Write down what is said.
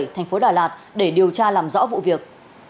thành phố đà lạt để điều tra làm rõ vụ việc